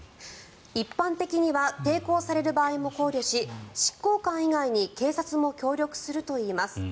一般的には抵抗される場合も考慮し執行官以外に警察も協力するといいます。